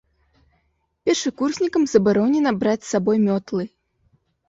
Першакурснікам забаронена браць з сабой мётлы.